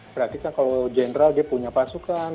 berarti kalau general punya pasukan